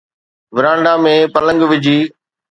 ورانڊا ۾ پلنگ وجھي